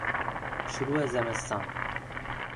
شروع زمستان